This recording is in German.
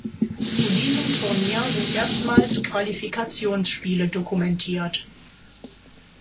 Zu diesem Turnier sind erstmals Qualifikationsspiele dokumentiert.